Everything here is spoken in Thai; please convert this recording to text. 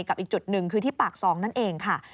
อีกจุดหนึ่งคือที่ปากซองนั่นเองค่ะ